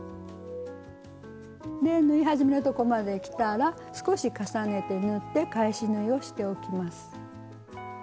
で縫い始めのとこまできたら少し重ねて縫って返し縫いをしておきます。